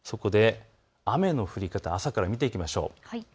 雨の降り方を朝から見ていきましょう。